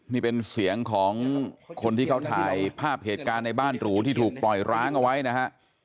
นี่เป็นเสียงของคนที่เขาถ่ายภาพเหตุการณ์ในบ้านหรูที่ถูกปล่อยร้างเอาไว้นะฮะ